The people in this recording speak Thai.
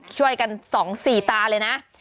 ช่วยกัน๒๔ตาเลยนะ